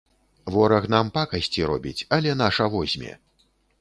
Вораг нам пакасці робіць, але наша возьме!